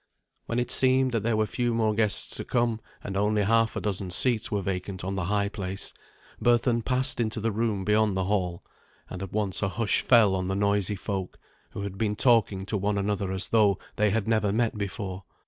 When it seemed that there were few more guests to come, and only half a dozen seats were vacant on the high place, Berthun passed into the room beyond the hall, and at once a hush fell on the noisy folk, who had been talking to one another as though they had never met before.